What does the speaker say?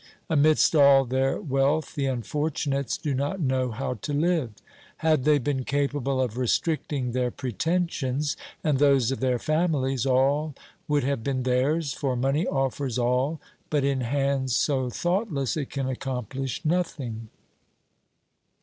Amidst all their wealth the unfortunates do not know how to live ! Had they been capable of restricting their pretensions and those of their families, all would have been theirs, for money offers all, but in hands so thoughtless it can accomplish nothing.